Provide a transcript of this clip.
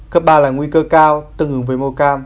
cấp ba là nguy cơ cao tương ứng với mô cam